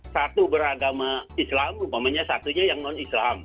satu beragama islam umpamanya satunya yang non islam